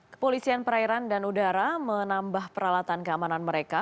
kepolisian perairan dan udara menambah peralatan keamanan mereka